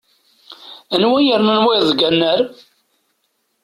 Anwa i yernan wayeḍ deg annar?